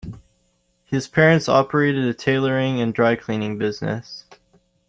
His parents operated a tailoring and dry-cleaning business.